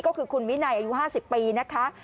ก็คือคุณวินัยอายุ๕๐ปีนะคะ